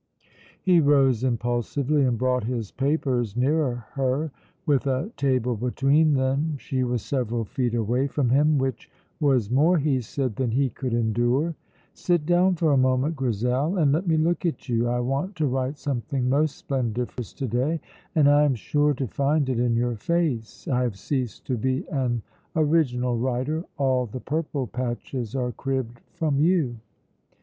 He rose impulsively and brought his papers nearer her. With a table between them she was several feet away from him, which was more, he said, than he could endure. "Sit down for a moment, Grizel, and let me look at you. I want to write something most splendiferous to day, and I am sure to find it in your face. I have ceased to be an original writer; all the purple patches are cribbed from you."